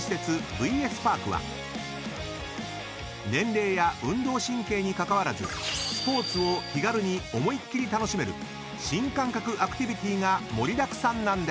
ＶＳＰＡＲＫは年齢や運動神経に関わらずスポーツを気軽に思いっ切り楽しめる新感覚アクティビティが盛りだくさんなんです］